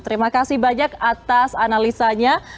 terima kasih banyak atas analisanya